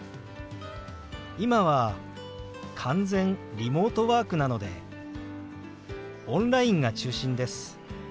今は完全リモートワークなのでオンラインが中心です。